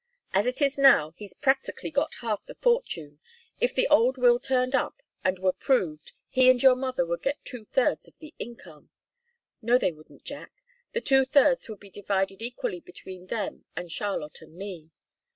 As it is now, he's practically got half the fortune. If the old will turned up and were proved, he and your mother would get two thirds of the income " "No they wouldn't, Jack. The two thirds would be divided equally between them and Charlotte and me."